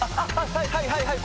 はいはいはいはい！